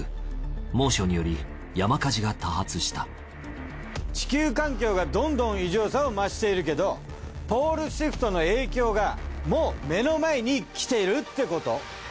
猛暑により山火事が多発した地球環境がどんどん異常さを増しているけどポールシフトの影響がもう目の前に来ているってこと。